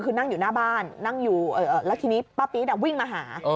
คือนั่งอยู่หน้าบ้านแล้วทีนี้ป๊าปี๊ดวิ่งมาหา